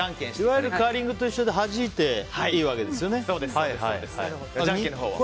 いわゆるカーリングと一緒ではじいていいわけですよね。